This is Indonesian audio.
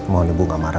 mohon ibu tidak marah ya